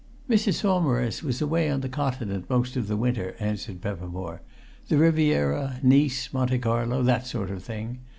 "Mrs. Saumarez was away on the Continent most of the winter," answered Peppermore. "The Riviera, Nice, Monte Carlo that sort of thing.